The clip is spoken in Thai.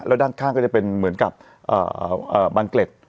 แล้วด้านข้างก็จะเป็นเหมือนกับอ่าอ่าบังเกร็ด